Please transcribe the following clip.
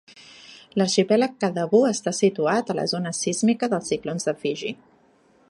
L'arxipèlag Kadavu està situat a la zona sísmica i de ciclons de Fiji.